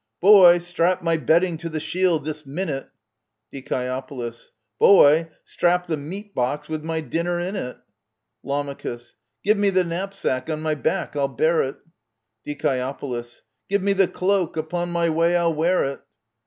Boy, strap my bedding to the shield this minute ! Die. Boy, strap the meat box with my dinner in it ! Lam. Give me the knapsack — on my back I'll bear it ! Die. Give me the cloak ; upon my way I'll wear it